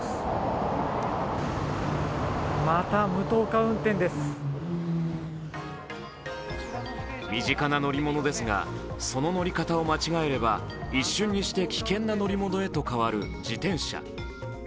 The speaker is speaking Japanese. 更に身近な乗り物ですが、その乗り方を間違えれば一瞬にして危険な乗り物へと変わる自転車。